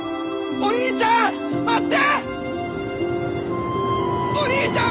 お兄ちゃん待って！